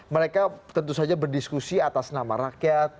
mereka tentu saja berdiskusi atas nama rakyat